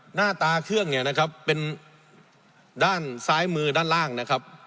หน้าตาเครื่องเนี่ยนะครับเป็นด้านซ้ายมือด้านล่างนะครับ